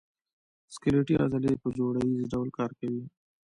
سکلیټي عضلې په جوړه ییز ډول کار کوي.